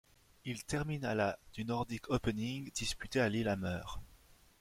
Il termine à la du Nordic Opening disputé à Lillehammer.